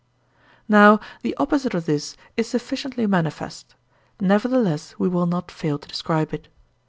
Now, the opposite of this is sufficiently manifest; nevertheless we will not fail to describe it.